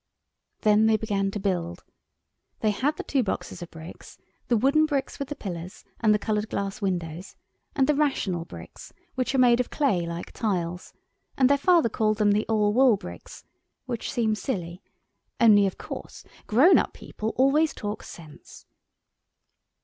Then they began to build. They had the two boxes of bricks—the wooden bricks with the pillars and the coloured glass windows, and the rational bricks which are made of clay like tiles, and their father called them the All Wool bricks, which seems silly, only of course grown up people always talk sense.